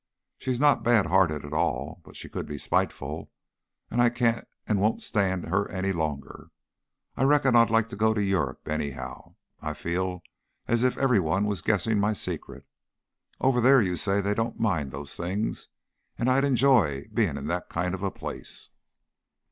She's not bad hearted at all, but she could be spiteful, and I can't and won't stand her any longer. I reckon I'd like to go to Europe, anyhow. I feel as if every one was guessing my secret. Over there you say they don't mind those things, and I'd enjoy being in that kind of a place."